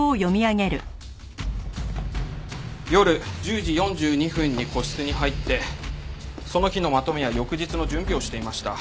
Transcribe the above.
夜１０時４２分に個室に入ってその日のまとめや翌日の準備をしていました。